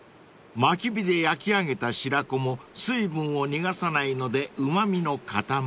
［まき火で焼き上げた白子も水分を逃がさないのでうま味の塊］